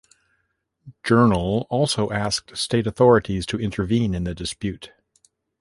Journal also asked state authorities to intervene in the dispute.